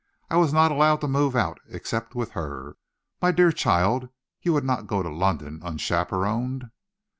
I was not allowed to move out except with her." "My dear child, you would not go about London unchaperoned!"